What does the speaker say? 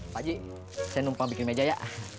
pakcik saya numpah bikin meja ya